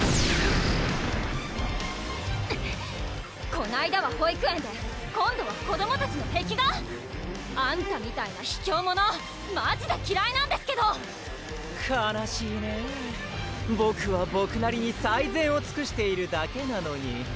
こないだは保育園で今度は子どもたちの壁画？あんたみたいなひきょう者マジできらいなんですけど悲しいねぇボクはボクなりに最善をつくしているだけなのに